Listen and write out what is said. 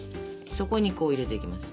そこにこう入れていきます。